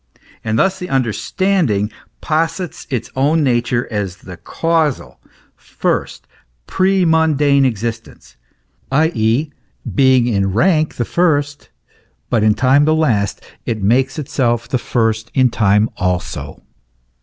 And thus the under standing posits its own nature as the causal, first, premun dane existence : i.e. being in rank the first, but in time the last, it makes itself the first in time also.